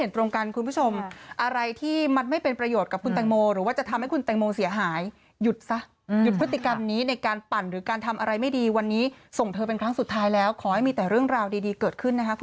แต่อะไรที่มันไม่เป็นประโยชน์กับโมก็อยากให้หยุด